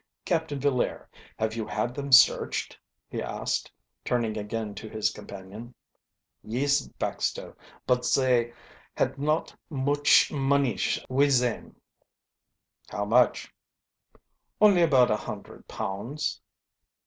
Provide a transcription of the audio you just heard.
Captain Villaire, have you had them searched?" he asked, turning again to his companion. "Yees, Baxter, but za had not mooch monish wid zem." "How much?" "Only about a hundred pounds."